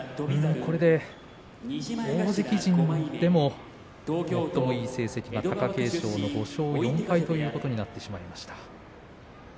大関陣でも最もいい成績の貴景勝が５勝４敗ということになってしまいました。